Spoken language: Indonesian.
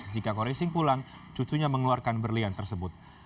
jika khori singh pulang cucunya mengeluarkan berlian tersebut